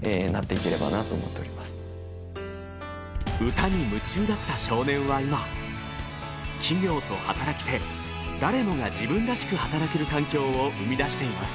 歌に夢中だった少年は今企業と働き手誰もが自分らしく働ける環境を生み出しています